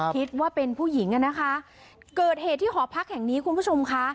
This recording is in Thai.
คิดว่าเป็นผู้หญิงอ่ะนะคะเกิดเหตุที่หอพักแห่งนี้คุณผู้ชมค่ะ